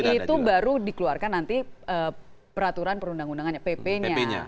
itu baru dikeluarkan nanti peraturan perundang undangannya pp nya